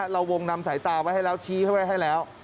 เราวงนำสายตาไว้ให้แล้วชี้ให้ไว้ให้แล้ว